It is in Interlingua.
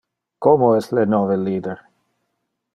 Como es le nove leader?